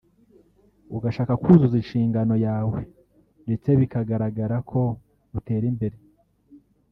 ugashaka kuzuza inshingano yawe ndetse bikagaragara ko utera imbere